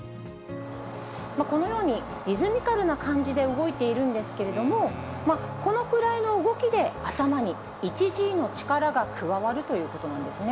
このように、リズミカルな感じで動いているんですけれども、このくらいの動きで頭に１Ｇの力が加わるということなんですね。